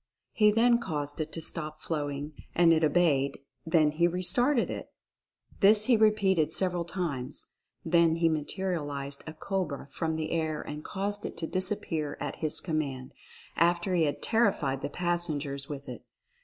He then caused it to stop flowing, and it obeyed ; then he restarted it. This he repeated several times. Then he materialized a cobra from the air and caused it to disappear at his command, after he had terrified the passengers with it.